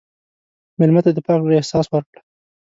مېلمه ته د پاک زړه احساس ورکړه.